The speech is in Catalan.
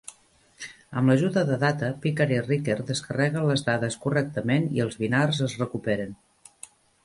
Amb l'ajuda de Data, Picard i Riker descarreguen les dades correctament i els "bynars" es recuperen.